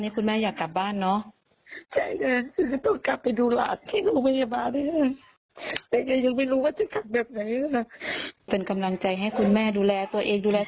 คุณแม่อายุเท่าไหร่แล้ว